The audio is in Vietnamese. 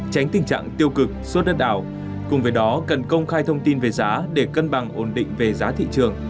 tránh tình trạng tiêu cực suốt đất ảo cùng với đó cần công khai thông tin về giá để cân bằng ổn định về giá thị trường